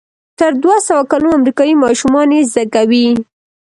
تر دوهسوه کلونو امریکایي ماشومان یې زده کوي.